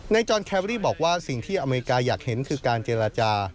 จอนแคบรี่บอกว่าสิ่งที่อเมริกาอยากเห็นคือการเจรจา